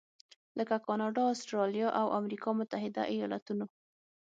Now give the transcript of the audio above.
لکه کاناډا، اسټرالیا او امریکا متحده ایالتونو.